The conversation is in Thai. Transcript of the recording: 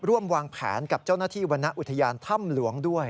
ร่วมวางแผนกับเจ้าหน้าที่วรรณอุทยานถ้ำหลวงด้วย